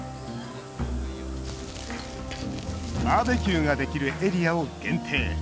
バーベキューができるエリアを限定。